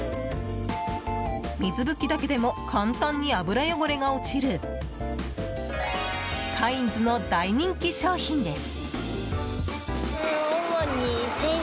水拭きだけでも簡単に油汚れが落ちるカインズの大人気商品です！